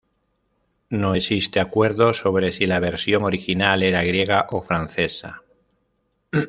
No existe acuerdo sobre si la versión original era griega o francesa.